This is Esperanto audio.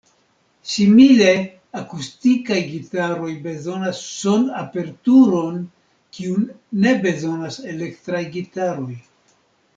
Simile, akustikaj gitaroj bezonas son-aperturon, kiun ne bezonas elektraj gitaroj.